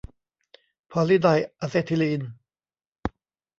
พอลิไดอะเซทิลีน